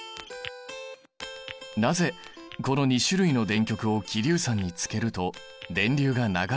なぜこの２種類の電極を希硫酸につけると電流が流れるのか。